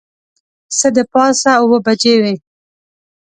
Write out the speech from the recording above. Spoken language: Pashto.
څه د پاسه اوه بجې وې.